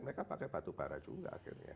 mereka pakai batubara juga akhirnya